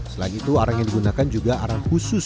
selain itu arang yang digunakan juga arang khusus